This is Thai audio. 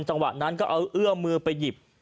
จังหวะนั้นก็เอาเอื้อมือไปหยิบ